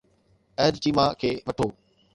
احد چيما کي وٺو.